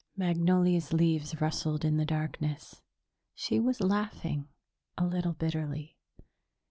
Magnolia's leaves rustled in the darkness. She was laughing a little bitterly.